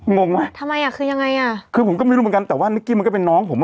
งงไหมทำไมอ่ะคือยังไงอ่ะคือผมก็ไม่รู้เหมือนกันแต่ว่านิกกี้มันก็เป็นน้องผมอ่ะ